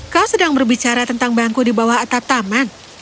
kau sedang berbicara tentang bangku di bawah atap taman